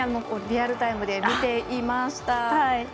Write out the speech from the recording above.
リアルタイムで見ていました。